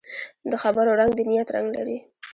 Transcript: د خبرو رنګ د نیت رنګ لري